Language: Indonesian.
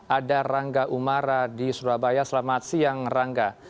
ada rangga umara di surabaya selamat siang rangga